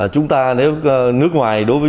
chúng ta nước ngoài đối với